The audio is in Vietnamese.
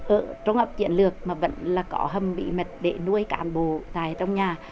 ở trung ấp chiến lược mà vẫn là có hầm bí mật để nuôi cản bồ tài trong nhà